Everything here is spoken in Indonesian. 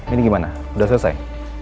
ini gimana udah selesai